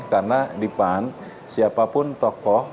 karena di pan siapapun tokoh